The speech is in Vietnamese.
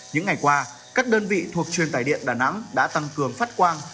những ngày qua các đơn vị thuộc truyền tài điện đà nẵng đã tăng cường phát quang